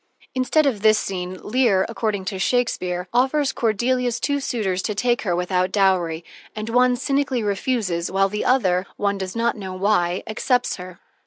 Instead of this scene, Lear, according to Shakespeare, offers Cordelia's two suitors to take her without dowry, and one cynically refuses, while the other, one does not know why, accepts her.